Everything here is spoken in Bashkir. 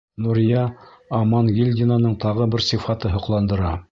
Нурия Амангилдинаның тағы бер сифаты һоҡландыра.